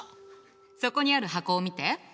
そこにある箱を見て。